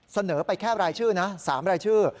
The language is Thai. เสนอไปแค่รายชื่อนะ๓รายชื่อ